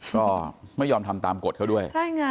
ก็ไม่ยอมทำตามกฎเขาด้วย